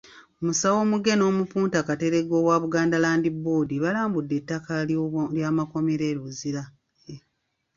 Musawo Muge n'Omupunta Kateregga owa Buganda Land Board baalambudde ettaka ly'amakomera e Lugazi.